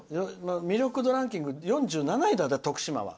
魅力度ランキング４７位だった徳島は。